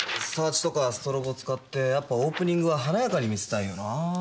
サーチとかストロボ使ってやっぱオープニングは華やかに見せたいよなぁ。